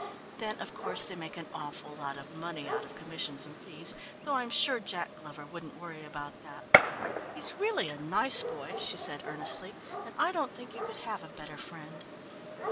Then, of course, they make an awful lot of money out of commissions and fees, though I'm sure Jack Glover wouldn't worry about that. He's really a nice boy," she said earnestly, "and I don't think you could have a better friend."